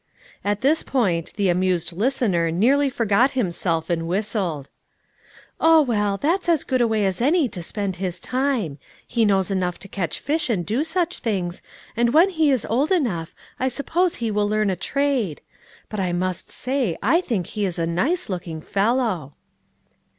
At this point the amused listener nearly for got himself and whistled. "Oh well, that's as good a way as any to spend his time ; he knows enough to catch fish and do such things, and when he is old enough, I suppose he will leam a trade ; but I must say I think he is a nice looking fellow."